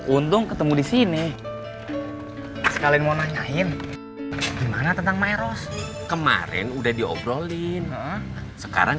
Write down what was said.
untung ketemu di sini sekalian mau nanyain gimana tentang miros kemarin udah diobrolin sekarang